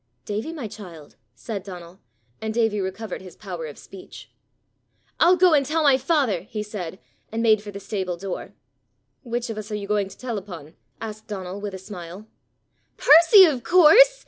"Davie, my child!" said Donal, and Davie recovered his power of speech. "I'll go and tell my father!" he said, and made for the stable door. "Which of us are you going to tell upon?" asked Donal with a smile. "Percy, of course!"